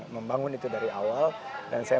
membangun itu dari awal dan saya